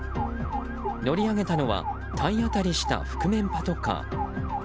乗り上げたのは体当たりした覆面パトカー。